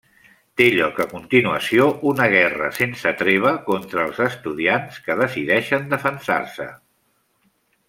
Té lloc a continuació una guerra sense treva contra els estudiants que decideixen defensar-se.